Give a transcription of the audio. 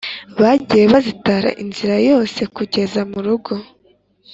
Bagiye basitara inzira yose kugeza murugo